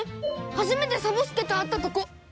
初めてサボ助と会ったとこ！